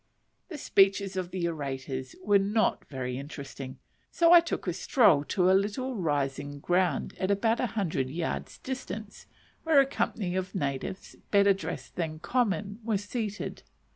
The speeches of the orators were not very interesting, so I took a stroll to a little rising ground at about a hundred yards distance, where a company of natives, better dressed than common, were seated.